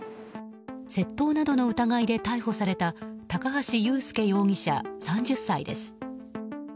窃盗などの疑いで逮捕された高橋優介容疑者、３０歳です。